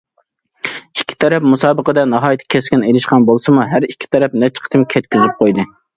ئىككى تەرەپ مۇسابىقىدە ناھايىتى كەسكىن ئېلىشقان بولسىمۇ، ھەر ئىككى تەرەپ نەچچە قېتىم كەتكۈزۈپ قويدى.